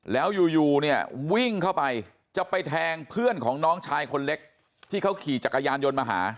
แล้วอยู่เนี่ยวิ่งเข้าไปจะไปแทงเพื่อนของน้องชายคนเล็กที่เขาขี่จักรยานยนต์มาหา